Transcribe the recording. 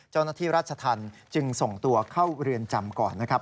เจ้าหน้าที่ราชธรรมจึงส่งตัวเข้าเรือนจำก่อนนะครับ